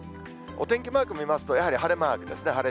お天気マーク見ますと、やはり晴れマークですね。